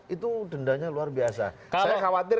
itu dendanya luar biasa saya khawatir